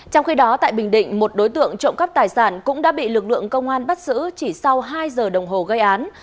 trong khi đó tại bình định một đối tượng trộm cắp tài sản cũng đã bị lực lượng công an bắt giữ chỉ sau hai giờ đồng hồ gây án